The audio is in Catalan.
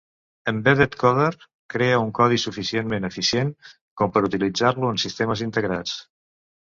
Embedded Coder crea un codi suficientment eficient com per utilitzar-lo en sistemes integrats.